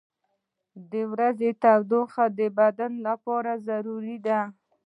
• د ورځې تودوخه د بدن لپاره ضروري ده.